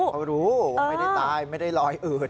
เขารู้ว่าไม่ได้ตายไม่ได้ลอยอืด